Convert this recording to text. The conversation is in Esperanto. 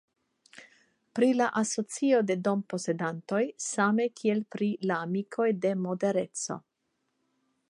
Pri la asocio de domposedantoj same kiel pri la amikoj de modereco.